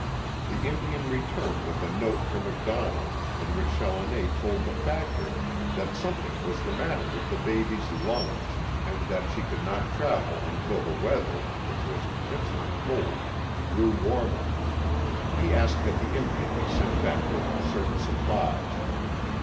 The Indian returned with a note for MacDonnell in which Challoner told the Factor that something was the matter with the baby's lungs, and that she could not travel until the weather, which was intensely cold, grew warmer. He asked that the Indian be sent back with certain supplies.